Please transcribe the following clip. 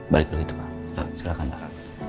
baik begitu pak silahkan pak